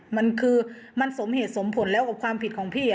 มันคือมันสมเหตุสมผลแล้วกับความผิดของพี่